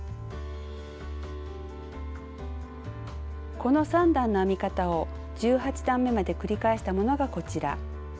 この３段の編み方を１８段めまで繰り返したものがこちら。